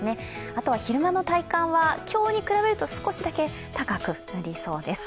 あとは昼間の体感は今日に比べると少しだけ高くなりそうです。